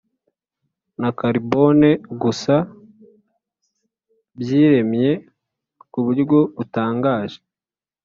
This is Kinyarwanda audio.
Na carbone gusa byiremye ku buryo butangaje